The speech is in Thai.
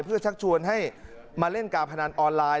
เพื่อชักชวนให้มาเล่นการพนันออนไลน